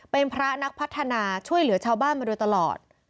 เป็นพระนักพัฒนาช่วยเหลือชาวบ้านมาโดยตลอด